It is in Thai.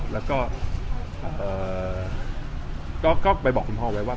แล้วก็ไปบอกคุณพ่อไว้ว่า